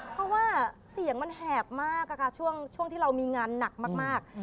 เพราะว่าเสียงมันแหบมากช่วงที่เรามีงานหนักมาก